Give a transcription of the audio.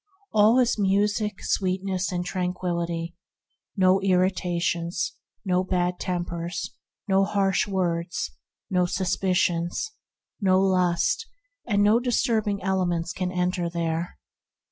All is music, sweetness, and tranquillity. No irri tations, no bad tempers, no harsh words, no suspicions, no lusts, and no disturbing elements can enter there.